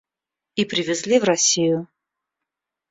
И привезли в Россию.